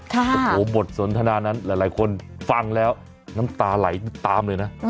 ค่ะโอ้โหบทสนทนานั้นหลายหลายคนฟังแล้วน้ำตาไหลตามเลยน่ะอ๋อแล้ว